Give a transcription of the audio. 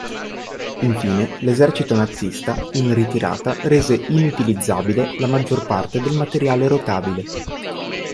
Infine l'esercito nazista in ritirata rese inutilizzabile la maggior parte del materiale rotabile.